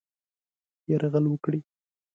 یرغل وکړي.